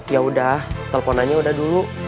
ya udah teleponannya udah dulu